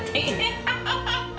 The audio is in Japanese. ハハハ